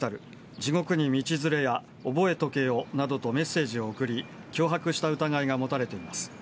地獄に道連れや、覚えとけやなどとメッセージを送り、脅迫した疑いが持たれています。